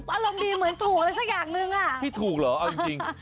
อารมณ์ดีเหมือนถูกอะไรสักอย่างหนึ่งอ่ะพี่ถูกเหรอเอาจริง